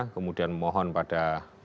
kemudian mohon pada